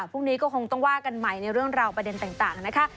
พรุ่งนี้ก็คงต้องว่ากันใหม่ในเรื่องราวประเด็นต่างนะคะ